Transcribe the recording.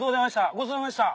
ごちそうさまでした。